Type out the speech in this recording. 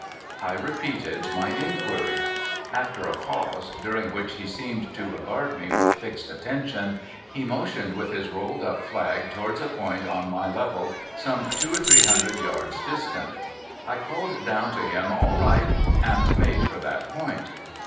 I repeated my inquiry. After a pause, during which he seemed to regard Tne with fixed attention, he motioned with his rolled up flag towards a point on my level, some two or three hundred yards distant. I called down to him, ' All right !' and made for that point.